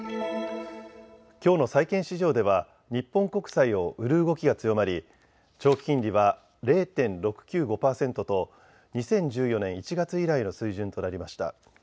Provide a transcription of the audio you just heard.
きょうの債券市場では日本国債を売る動きが強まり、長期金利は０．６９５％と２０１４年１月以来の水準となりました。